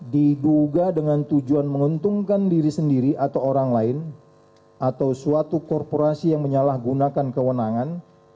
diduga dengan tujuan menguntungkan diri sendiri atau orang lain atau suatu korporasi yang menyalahgunakan kewenangan